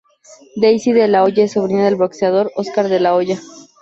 Daisy de la Hoya es sobrina del boxeador Óscar de la Hoya.